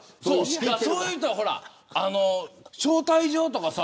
そういう人はほら招待状とかさ